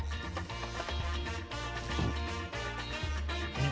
うん。